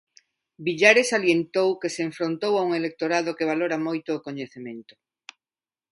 Villares salientou que se enfrontou a un electorado que valora moito o coñecemento.